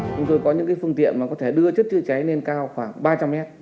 chúng tôi có những phương tiện mà có thể đưa chất chữa cháy lên cao khoảng ba trăm linh mét